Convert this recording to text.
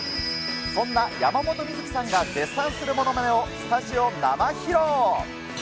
そんな山本美月さんが絶賛するものまねをスタジオ生披露。